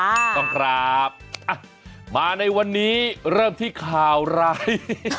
ขอบคุณครับมาในวันนี้เริ่มที่ข่าวไร